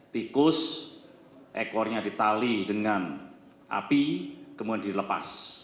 tikus ekornya ditali dengan api kemudian dilepas